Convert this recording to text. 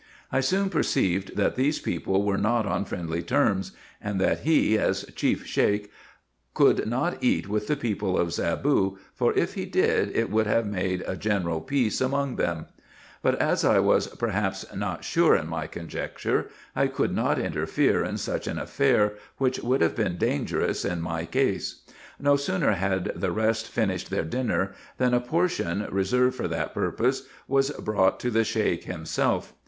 I soon perceived that these people were not on friendly terms, and that he, as chief Sheik, could not eat with the people of Zaboo, for if he did, it would have made a general peace among them ; but as I was perhaps not sure in my conjecture, I could not interfere in such an affair, which would have been dangerous in my case. No sooner had the rest finished their dinner, than a portion, reserved for that purpose, was brought to the Sheik himself.